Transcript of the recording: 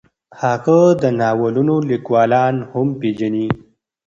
هغه د ناولونو لیکوالان هم پېژني.